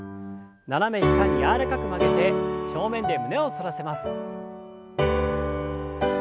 斜め下に柔らかく曲げて正面で胸を反らせます。